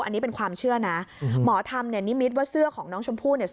อันนี้เป็นความเชื่อนะหมอธรรมเนี่ยนิมิตว่าเสื้อของน้องชมพู่เนี่ย